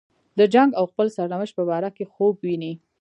د جنګ او خپل سرنوشت په باره کې خوب ویني.